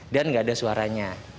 dan nggak ada suaranya